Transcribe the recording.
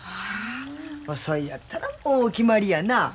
そいやったらもう決まりやな。